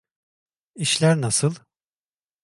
İşler nasıl?